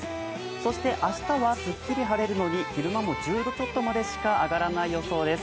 そして明日はすっきり晴れるのに、昼間も１０度ほどまでしか上がらない予想です。